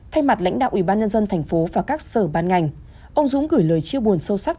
thay mặt lãnh đạo ubnd tp và các sở ban ngành ông dũng gửi lời chiêu buồn sâu sắc